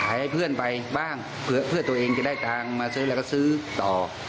ขายเพื่อนไปบ้างเผื่อเพื่อตัวเองจะได้ทางมาซื้อแล้วก็ซื้อตอ